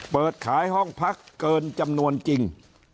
เปิดขายห้องพักเกินจำนวนจริง